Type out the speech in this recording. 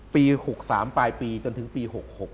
ปี๖๓ปลายปีจนถึงปี๖๖